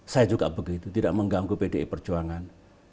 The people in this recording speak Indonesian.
saya juga begitu tidak mengganggu pdi perjuangan